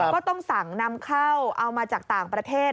ก็ต้องสั่งนำเข้าเอามาจากต่างประเทศ